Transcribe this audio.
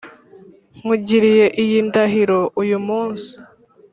Nkugiriye iyi ndahiro uyu munsi